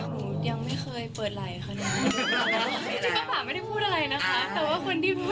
หนูยังไม่เคยเปิดไหล่ค่ะนะ